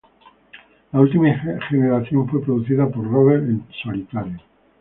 La última generación fue producida por Rover en solitario.